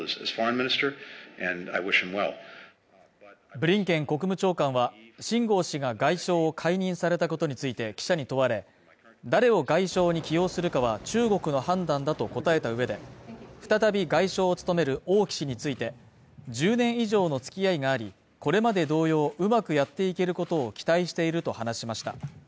ブリンケン国務長官は秦剛氏が外相を解任されたことについて記者に問われ誰を外相に起用するかは中国の判断だと答えたうえで再び外相を務める王毅氏について１０年以上の付き合いがありこれまで同様うまくやっていけることを期待していると話しました